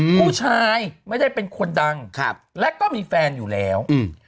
ผู้ชายไม่ได้เป็นคนดังครับและก็มีแฟนอยู่แล้วอืม